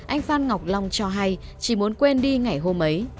anh phan ngọc long cho hay chỉ muốn quên đi ngày hôm ấy